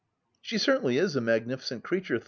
" She certainly is a magnificent creature